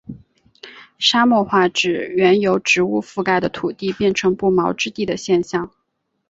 沙漠化指原由植物覆盖的土地变成不毛之地的现象。